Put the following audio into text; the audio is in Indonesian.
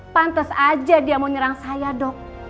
pantes aja dia mau nyerang saya dok